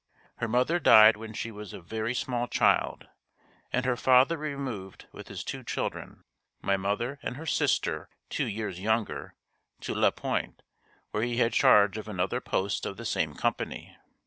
Her mother died when she was a very small child and her father removed with his two children, my mother and her sister two years younger, to La Pointe, where he had charge of another post of the same company.